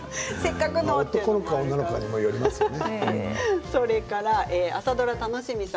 男の子か女の子かにもよりますよね。